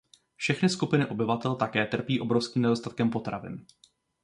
Všechny skupiny obyvatel také trpí obrovským nedostatkem potravin.